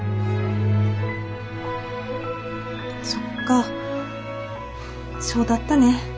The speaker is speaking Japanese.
そっかそうだったね。